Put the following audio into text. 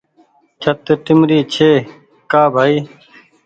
ڇت ٽيمرِي ڇي ڪا بهائي